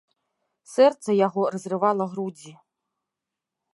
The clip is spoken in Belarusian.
Сэрца яго разрывала грудзі.